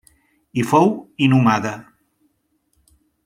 Hi fou inhumada.